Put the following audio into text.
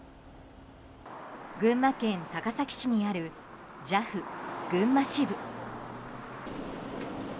群馬県高崎市にあるＪＡＦ群馬支部。